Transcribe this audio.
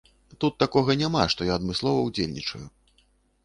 Тут такога няма, што я адмыслова ўдзельнічаю.